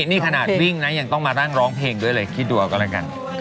นี่ขนาดวิ่งนะยังต้องมานั่งร้องเพลงด้วยเลยคิดดูเอาก็แล้วกัน